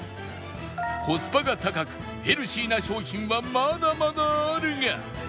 コスパが高くヘルシーな商品はまだまだあるが